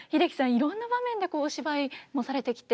いろんな場面でお芝居もされてきて。